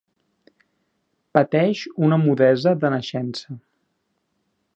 Pateix una mudesa de naixença.